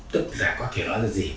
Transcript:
tức là có thể nói là gì